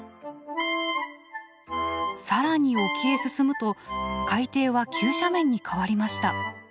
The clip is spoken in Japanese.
更に沖へ進むと海底は急斜面に変わりました。